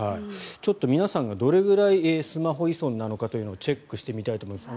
皆さんがどれくらいスマホ依存なのかというのをチェックしてみたいと思います。